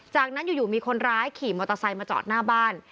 จากนั้นอยู่มีคนร้ายขี่มอเตอร์ไซค์มาจอดหน้าบ้าน